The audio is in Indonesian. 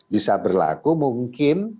bisa berlaku mungkin